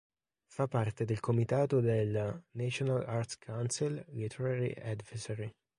Fa parte del comitato del "National Arts Council Literary Advisory".